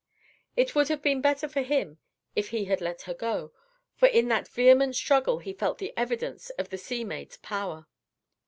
It would have been better for him if he had let go, for in that vehement struggle he felt the evidence of the sea maid's power.